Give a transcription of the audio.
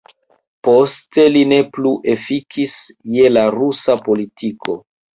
Poste li ne plu efikis je la rusa politiko.